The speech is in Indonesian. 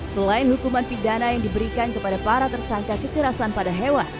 selain hukuman pidana yang diberikan kepada para tersangka kekerasan pada hewan